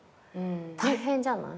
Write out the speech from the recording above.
大変じゃない？